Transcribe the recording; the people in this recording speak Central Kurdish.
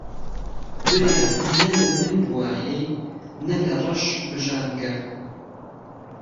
بريا نه له من بویایەی نه لە ڕهش بژانگه